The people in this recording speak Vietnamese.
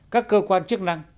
các cơ quan chức năng